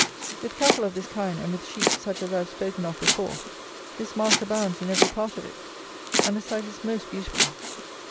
With cattle of this kind and with sheep such as I have spoken of before, this Marsh abounds in every part of it; and the sight is most beautiful.